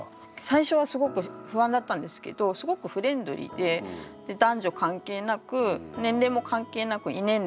最初はすごく不安だったんですけどすごくフレンドリーで男女関係なく年齢も関係なく異年齢で遊ぶなんか空気があって。